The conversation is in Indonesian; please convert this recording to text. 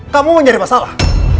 kamu mencari masalah